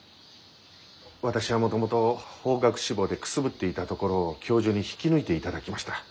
私はもともと法学志望でくすぶっていたところを教授に引き抜いていただきました。